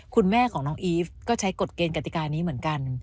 คุณแม่ของน้องอีฟก็ใช้กฎเกณฑิกานี้เหมือนกัน